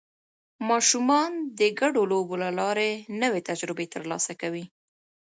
ماشومان د ګډو لوبو له لارې نوې تجربې ترلاسه کوي